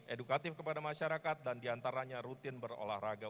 edukatif kepada masyarakat dan diantaranya rutin berolahraga